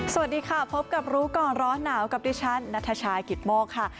สวัสดีค่ะพบกับรู้ก่อนร้อนหนาวกับดิฉันนัทชายกิตโมกค่ะ